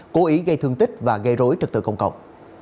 cố ý gây thương tích và gây rối trật tự công cộng